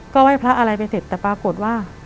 ก็ไหว้พระอะไรไปเสร็จแต่ปรากฏว่า